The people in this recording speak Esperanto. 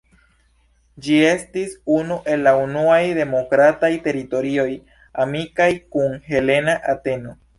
Ĝi estis unu el la unuaj demokrataj teritorioj amikaj kun helena Ateno.